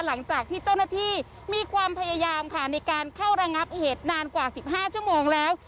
หลังจากที่เจ้าหน้าที่มีความพยายามค่ะในการเข้าระงับเหตุนานกว่า๑๕ชั่วโมงแล้ว